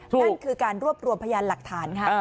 นั่นคือการรวบรวมพยานหลักฐานค่ะ